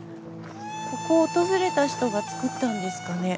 ここを訪れた人が作ったんですかね？